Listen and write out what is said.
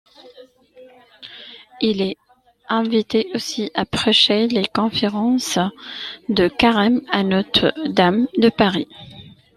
Il est invité aussi à prêcher les conférences de Carême à Notre-Dame de Paris.